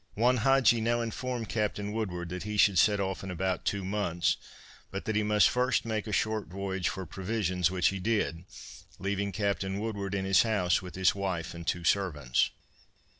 Juan Hadgee now informed Capt. Woodward that he should set off in about two months, but that he must first make a short voyage for provisions, which he did, leaving Captain Woodward in his house with his wife and two servants.